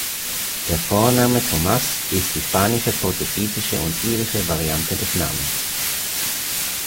Der Vorname Tomás ist die spanische, portugiesische und irische Variante des Namens.